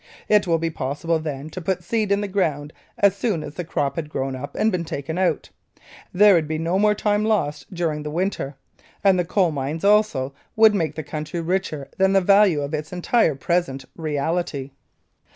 It will be possible then to put seed in the ground as soon as the crop had grown up and been taken out; there would be no more time lost during the Winter. And the coal mines also would make the country richer than the value of its entire present realty.